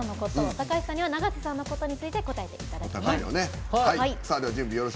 高橋さんには永瀬さんのことを答えていただきます。